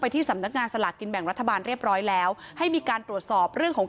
ที่สำนักงานสลากกินแบ่งรัฐบาลเรียบร้อยแล้วให้มีการตรวจสอบเรื่องของ